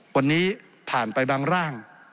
วันนี้ผ่านไปบางร่าง